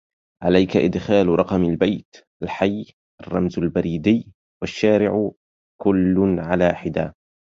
عليك إدخال رقم البيت، الحي، الرمز البريدي والشارع كل على حدى.